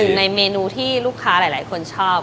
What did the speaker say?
ในเมนูที่ลูกค้าหลายคนชอบ